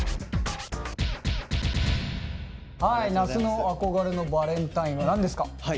那須の「憧れのバレンタイン」は何ですか？